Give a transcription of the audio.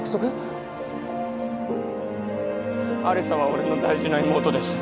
有沙は俺の大事な妹です。